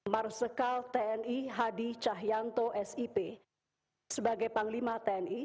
marsikal tni hadi cahyanto sip sebagai panglima tni